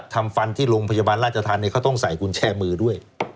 ทำฟันที่โรงพยาบาลราชธรรมเขาต้องใส่กุญแจมือด้วย